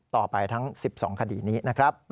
ต่อไปทั้ง๑๒คดีนี้นะครับ